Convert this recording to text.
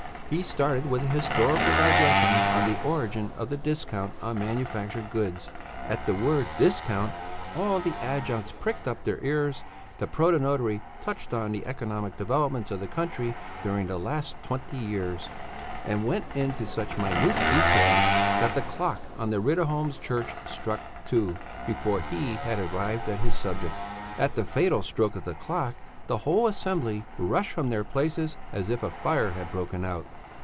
He started with a historical digression on the origin of the discount on manufactured goods at the word discount all the adjuncts pricked up their ears touched on the economic developments of the country during the last twenty years, and went into such minute details that the clock on the Riddarholms church struck two before he had arrived at his subject. At the fatal stroke of the clock the whole assembly rushed from their places as if a fire had broken out.